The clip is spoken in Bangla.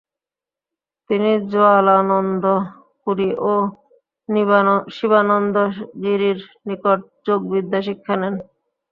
তিনি জোয়ালানন্দ পুরী ও শিবানন্দ গিরির নিকট যোগবিদ্যা শিক্ষা নেন।